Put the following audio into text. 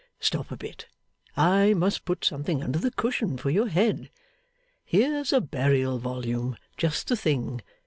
Stop a bit. I must put something under the cushion for your head. Here's a burial volume, just the thing!